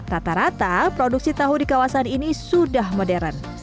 tata rata produksi tahu di kawasan ini sudah modern